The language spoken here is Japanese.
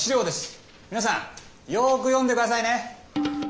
皆さんよく読んで下さいね。